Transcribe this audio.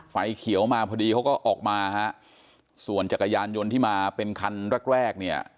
ไฟเขียวมาพอดีเขาก็ออกมาฮะส่วนจักรยานยนต์ที่มาเป็นคันแรกแรกเนี่ย